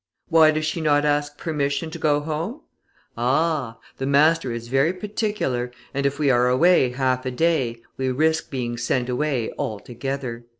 Why does she not ask permission to go home? Ah! the master is very particular, and if we are away half a day, we risk being sent away altogether."